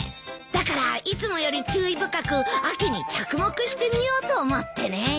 だからいつもより注意深く秋に着目してみようと思ってね。